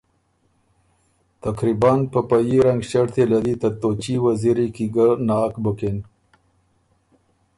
تقریباً په په يي رنګ ݭړطی له دی ته توچي وزیری کی ګه ناک بُکِن